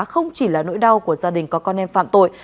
không chỉ là nỗi đau của gia đình có con em phạm tội